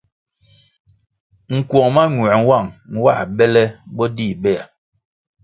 Nkwong mañuē nwang nwā bele bo dih béa.